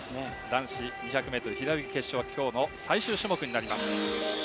男子２００ｍ平泳ぎ決勝は今日の最終種目になります。